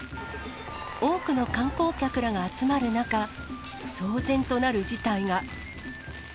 多くの観光客らが集まる中、騒然となる事態が。